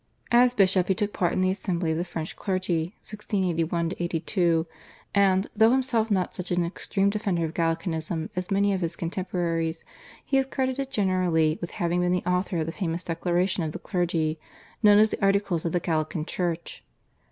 As bishop he took part in the Assembly of the French Clergy (1681 82) and, though himself not such an extreme defender of Gallicanism as many of his contemporaries, he is credited generally with having been the author of the famous Declaration of the Clergy, known as the Articles of the Gallican Church.